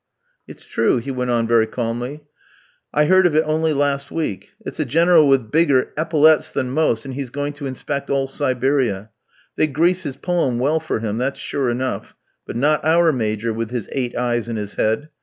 "It's true," he went on very calmly, "I heard of it only last week; it's a General with bigger epaulettes than most, and he's going to inspect all Siberia. They grease his palm well for him, that's sure enough; but not our Major with his eight eyes in his head.